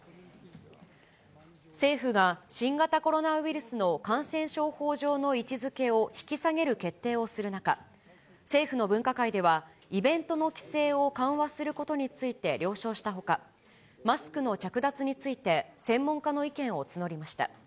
政府が新型コロナウイルスの感染症法上の位置づけを引き下げる決定をする中、政府の分科会では、イベントの規制を緩和することについて了承したほか、マスクの着脱について、専門家の意見を募りました。